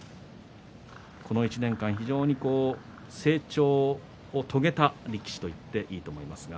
この１年間、非常に成長を遂げた力士といっていいと思います。